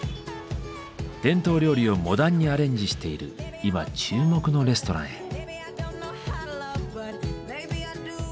伝統料理をモダンにアレンジしている今注目のレストランへ。